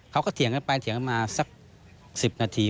เถียงกันไปเถียงกันมาสัก๑๐นาที